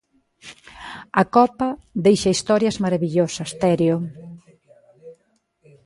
A Copa deixa historias marabillosas, Terio.